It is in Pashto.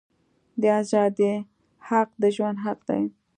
د آزادی حق د ژوند حق دی.